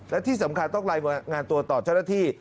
และที่สำคัญต้องรายงานตัวต่อเจ้าหน้าที่